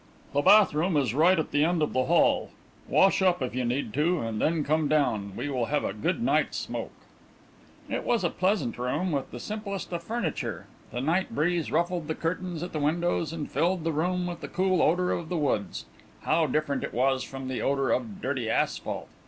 "The bath room is right at the end of the hall. Wash up, if you need to, and then come down, and we will have a good night smoke." It was a pleasant room, with the simplest of furniture. The night breeze ruffled the curtains at the windows, and filled the room with the cool odour of the woods how different it was from the odour of dirty asphalt!